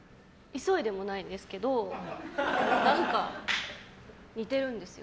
急いでもないですけど何か似てるんですよ。